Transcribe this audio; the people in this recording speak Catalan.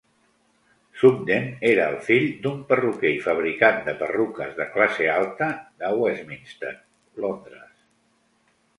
Sugden era el fill d'un perruquer i fabricant de perruques de classe alta de Westminster, Londres.